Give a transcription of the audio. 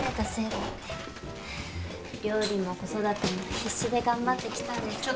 料理も子育ても必死で頑張ってきたんですが。